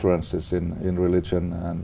anh có bao giờ